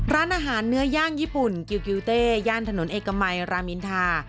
ร้านอาหารเนื้อย่างญี่ปุ่นกิวเต้ย่านถนนเอกมัยรามินทา